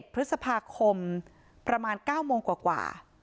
พฤษภาคมประมาณ๙โมงกว่า